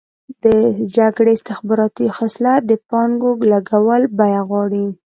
د جګړې استخباراتي خصلت د پانګو لګولو بیه غواړي.